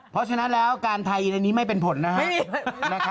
เพราะฉะนั้นแล้วการไทยอันนี้ไม่เป็นผลนะครับ